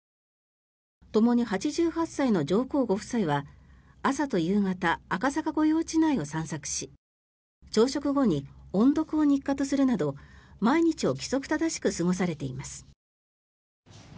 ともに８８歳の上皇ご夫妻は朝と夕方、赤坂御用地内を散策し朝食後に音読を日課とするなど毎日を規則正しく過ごされています。